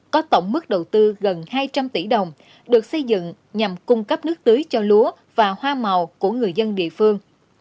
có tổng mức đầu tư gần hai trăm linh tỷ đồng được xây dựng nhằm cung cấp nước tưới cho lúa và hoa màu của người dân địa phương